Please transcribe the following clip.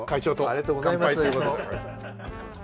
ありがとうございます。